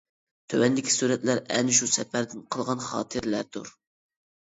تۆۋەنكى سۈرەتلەر ئەنە شۇ سەپەردىن قالغان خاتىرىلەردۇر.